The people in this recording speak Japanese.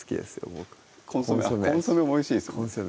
僕コンソメもおいしいですよね